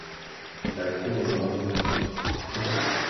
Ndai-kóro nyɔ́ŋ déná.